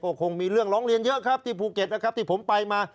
ก็คงมีเรื่องร้องเรียนเยอะครับที่ภูเก็ตนะครับที่ผมไปมา